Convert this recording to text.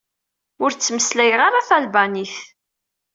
Ur ttmeslayeɣ ara talbanit.